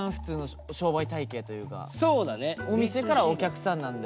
お店からお客さんなんで。